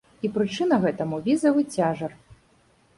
І прычына гэтаму візавы цяжар.